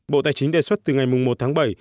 bộ tài chính đề xuất từ ngày một tháng bảy